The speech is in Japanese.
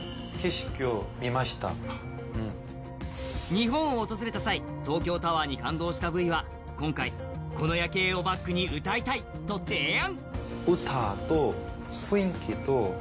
日本を訪れた際、東京タワーに感動したＶは、今回、この夜景をバックに歌いたいと提案。